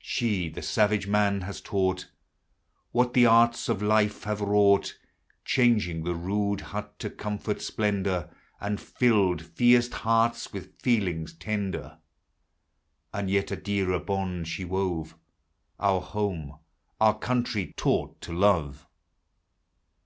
She the savage man has taught "What the arts of life have wrought ; Changed the rude hut to comfort, splendor, And filled fierce hearts with feelings tender And yet a dearer bond she wove, — Our home, our country, taught to love.